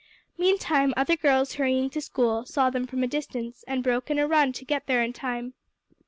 Meantime other girls hurrying to school, saw them from a distance, and broke into a run to get there in time.